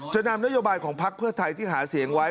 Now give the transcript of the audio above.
นำนโยบายของพักเพื่อไทยที่หาเสียงไว้